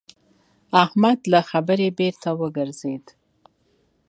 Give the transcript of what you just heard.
احمد له خبرې بېرته وګرځېد.